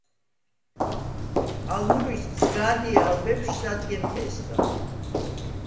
ალ მურვისდ სგა̈დჲე ალ ბეფშვ სადგემთე̄სგა.